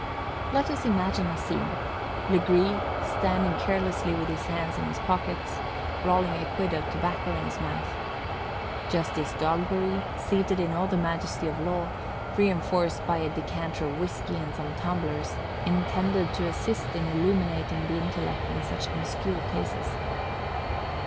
Let us imagine a scene:—Legree, standing carelessly with his hands in his pockets, rolling a quid of tobacco in his mouth; Justice Dogberry, seated in all the majesty of law, reinforced by a decanter of whiskey and some tumblers, intended to assist in illuminating the intellect in such obscure cases.